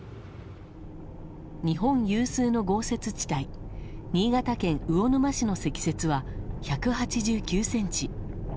日本有数の豪雪地帯新潟県魚沼市の積雪は１８９ｃｍ。